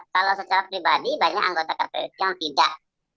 kalau secara pribadi banyak anggota kpu yang tidak